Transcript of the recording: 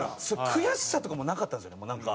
悔しさとかもなかったんですよねもうなんか。